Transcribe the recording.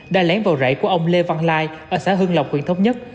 đã lén vào rẫy của ông lê văn lai ở xã hưng lộc tp hcm